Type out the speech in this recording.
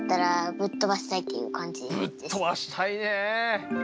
ぶっ飛ばしたいねえ。